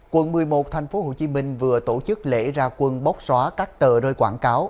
quận một mươi một tp hcm vừa tổ chức lễ ra quân bóc xóa các tờ rơi quảng cáo